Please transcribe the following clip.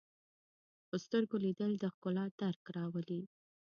په سترګو لیدل د ښکلا درک راولي